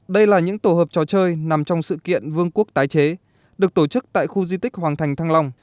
đây là những tổ hợp trò chơi nằm trong sự kiện vương quốc tái chế được tổ chức tại khu di tích hoàng thành thăng long